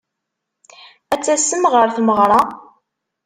Ad tasem ɣer tmeɣṛa-w?